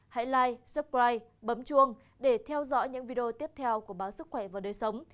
hãy like subscribe bấm chuông để theo dõi những video tiếp theo của báo sức khỏe và đời sống